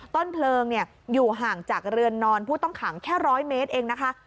ต้นเพลิงอยู่ห่างจากเรือนนอนผู้ต้องขังแค่๑๐๐เมตรเองนะคะ